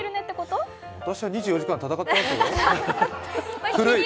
私は２４時間、戦ってますよ。